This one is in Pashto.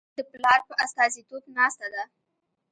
د پلار په استازیتوب ناسته ده.